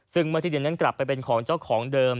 ซึ่งเมื่อที่ดินนั้นกลับไปเป็นของเจ้าของเดิม